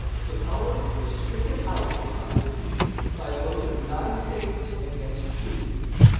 The power was stricken out of the Constitution by a vote of nine states against two.